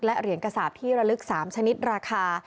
และเหรียญกระสาปที่ระลึก๓ชนิดราคา